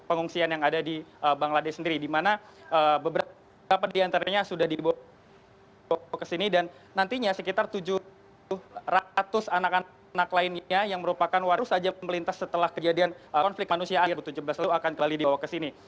pengungsian yang ada di bangladesh sendiri di mana beberapa diantaranya sudah dibawa ke sini dan nantinya sekitar tujuh ratus anak anak lainnya yang merupakan warung saja melintas setelah kejadian konflik manusia a dua ribu tujuh belas lalu akan kembali dibawa ke sini